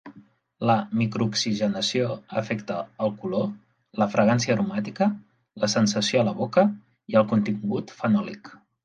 La microoxigenació afecta el color, la fragància aromàtica, la sensació a la boca i el contingut fenòlic.